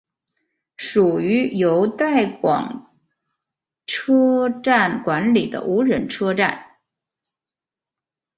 属于由带广车站管理的无人车站。